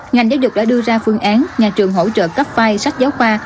ngành giáo dục đã đưa ra phương án nhà trường hỗ trợ cấp vai sách giáo khoa